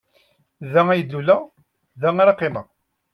Da ay d-luleɣ, da ara qqimeɣ.